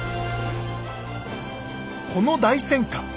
この大戦果。